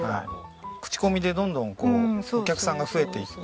口コミでどんどんお客さんが増えていって。